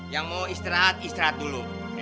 yang mau istirahat istirahat dulu